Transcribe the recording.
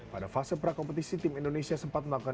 pada fase prakompetisi tim indonesia sempat melakukan